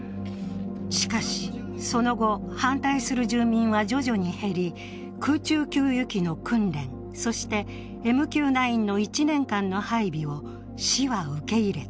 しかしその後、反対する住民は徐々に減り、空中給油機の訓練そしてＭＱ９の１年間の配備を市は受け入れた。